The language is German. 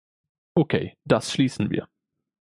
Okay, das schließen wir.